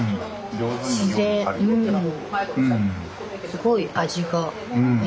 すごい味がね